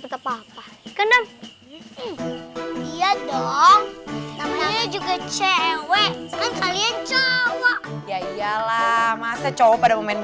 betapa apa kanan iya dong namanya juga cewek kalian cowok ya iyalah masa cowok pada memainkan